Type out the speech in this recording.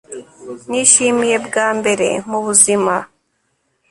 Nishimiye bwa mbere mubuzima